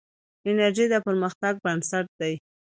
انرژي د پرمختګ بنسټ دی.